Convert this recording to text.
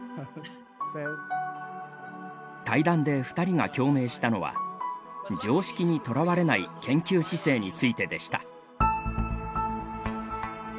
対談で二人が共鳴したのは常識にとらわれない研究姿勢についてでした。